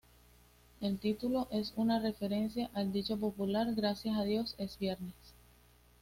El título es una referencia al dicho popular, "Gracias a Dios que es viernes".